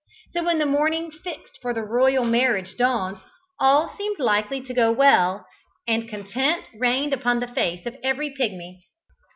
So when the morning fixed for the royal marriage dawned, all seemed likely to go well, and content reigned upon the face of every Pigmy.